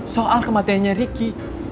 soal kematiannya ricky